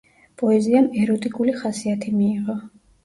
პოეზიამ ეროტიკული ხასიათი მიიღო.